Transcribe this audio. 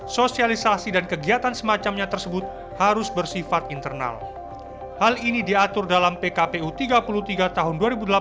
sosialisasi dan kegiatan semacamnya tersebut harus bersifat internal hal ini diatur dalam pkpu tiga puluh tiga tahun dua ribu delapan belas